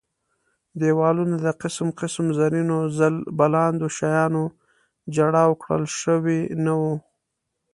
دېوالونه د قسم قسم زرینو ځل بلاندو شیانو جړاو کړل شوي نه وو.